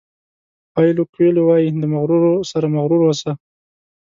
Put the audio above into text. پایلو کویلو وایي د مغرورو سره مغرور اوسه.